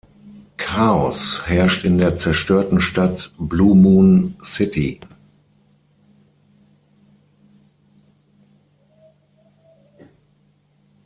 Chaos herrscht in der zerstörten Stadt Blue Moon City.